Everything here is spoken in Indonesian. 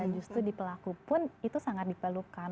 justru di pelaku pun itu sangat diperlukan